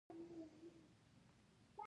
د لیک او کولالۍ اختراع په حال کې وو.